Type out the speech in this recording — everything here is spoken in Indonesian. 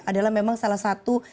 adalah memang salah satu